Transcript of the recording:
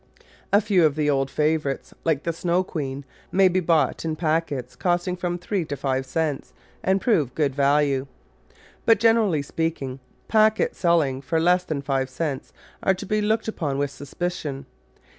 A few of the old favourites — like the Snow Queen — may be bought in packets costing from three to five cents and prove good value. But gener ally speaking, packets selling for less than five cents are to be looked upon with suspicion.